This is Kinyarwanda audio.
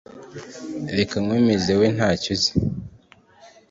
Rekanze nkwemeze we ntacy uzi